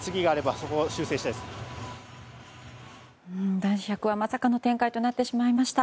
男子１００はまさかの展開となってしまいました。